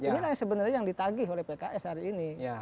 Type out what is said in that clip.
inilah yang sebenarnya yang ditagih oleh pks hari ini